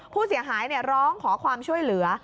ผู้เสียหายร้องขอความช่วยเหลือ